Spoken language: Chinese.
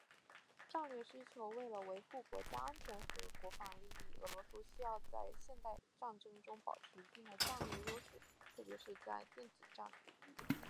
战略需求：为了维护国家安全和国防利益，俄罗斯需要在现代战争中保持一定的战略优势，特别是在电子战领域。敌变我变策略是基于这一战略需求而采取的，可以有效应对敌方的挑战，减少自身的损失，确保战争胜利的可能性。